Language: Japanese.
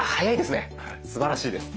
すばらしいです。